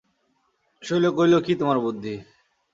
শৈল কহিল, কী তোমার বুদ্ধি!